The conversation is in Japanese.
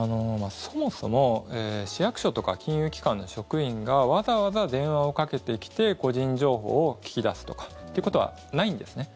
そもそも市役所とか金融機関の職員がわざわざ電話をかけてきて個人情報を聞き出すとかということはないんですね。